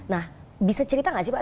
nah bisa cerita nggak sih pak